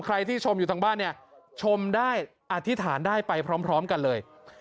ที่ชมอยู่ทางบ้านเนี่ยชมได้อธิษฐานได้ไปพร้อมกันเลย